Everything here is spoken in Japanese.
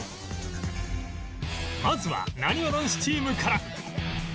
まずはなにわ男子チームから